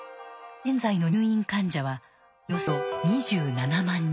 現在の入院患者はおよそ２７万人。